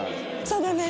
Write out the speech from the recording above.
そうだね。